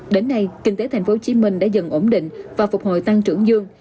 đến nay kinh tế tp hcm đã dần ổn định và phục hồi tăng trưởng dương